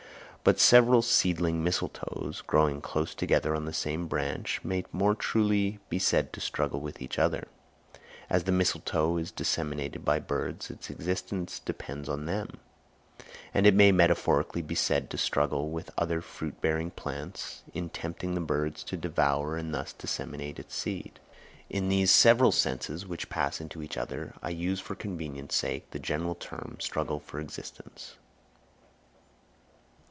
But several seedling mistletoes, growing close together on the same branch, may more truly be said to struggle with each other. As the mistletoe is disseminated by birds, its existence depends on them; and it may metaphorically be said to struggle with other fruit bearing plants, in tempting the birds to devour and thus disseminate its seeds. In these several senses, which pass into each other, I use for convenience sake the general term of Struggle for Existence.